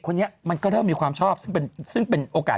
คนนี้มันก็เริ่มมีความชอบซึ่งเป็นซึ่งเป็นโอกาส